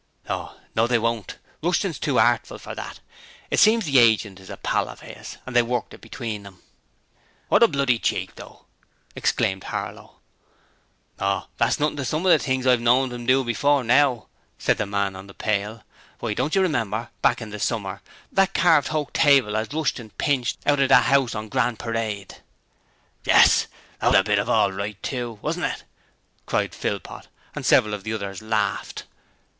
'Oh, no they won't, Rushton's too artful for that. It seems the agent is a pal of 'is, and they worked it between 'em.' 'Wot a bloody cheek, though!' exclaimed Harlow. 'Oh, that's nothing to some of the things I've known 'em do before now,' said the man on the pail. 'Why, don't you remember, back in the summer, that carved hoak hall table as Rushton pinched out of that 'ouse on Grand Parade?' 'Yes; that was a bit of all right too, wasn't it?' cried Philpot, and several of the others laughed.